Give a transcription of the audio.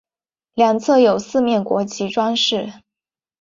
两侧有四面国旗装饰。